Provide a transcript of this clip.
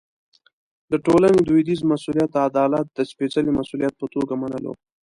د ټولنې دودیز مسوولیت عدالت د سپېڅلي مسوولیت په توګه منلو.